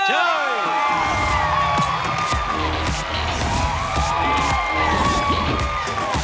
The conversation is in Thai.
สวัสดีครับผมหลุยครับ